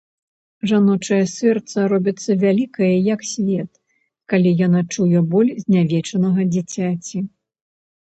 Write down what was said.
Жаночае сэрца робіцца вялікае, як свет, калі яно чуе боль знявечанага дзіцяці.